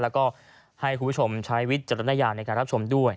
แล้วก็ให้คุณผู้ชมใช้วิจารณญาณในการรับชมด้วย